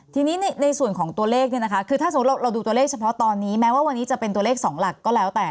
ทีนี้ในส่วนของตัวเลขเนี่ยนะคะคือถ้าสมมุติเราดูตัวเลขเฉพาะตอนนี้แม้ว่าวันนี้จะเป็นตัวเลข๒หลักก็แล้วแต่